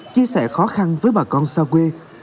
chia sẻ khó khăn với bà con xa quê